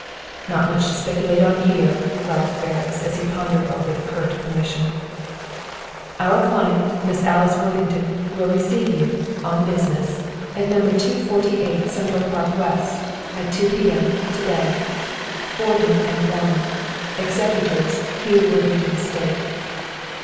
"Not much to speculate on here," growled Ferris, as he pondered over the curt permission. "Our client, Miss Alice Worthington, will receive you, on business, at No. 248 Central Park West, at 2 P.M. to day. "BOARDMAN AND WARNER, "Executors, Hugh Worthington Estate."